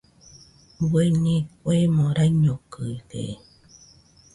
Bueñe kuemo raiñokɨide